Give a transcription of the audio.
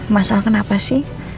mas al kenapa sih